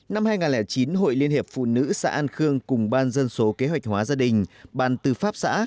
năm hai nghìn chín hội liên hiệp phụ nữ xã an khương cùng ban dân số kế hoạch hóa gia đình ban tư pháp xã